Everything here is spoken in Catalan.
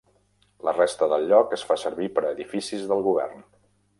La resta del lloc es fa servir per a edificis del govern.